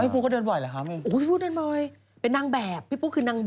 ปูก็เดินบ่อยเหรอคะพี่ปุ๊เดินบ่อยเป็นนางแบบพี่ปูคือนาง